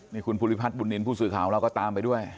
นี่คุณภูริพัฒนบุญนินทร์ผู้สื่อข่าวเราก็ตามไปด้วย